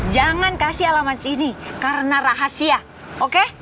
jangan kasih alamat sini karena rahasia oke